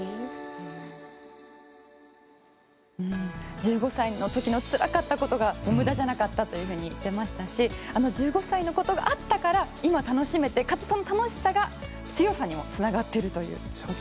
１５歳の時のつらかったことが無駄じゃなかったと言っていましたしあの１５歳のことがあったから今、楽しめてかつ、その楽しさが強さにもつながっているという。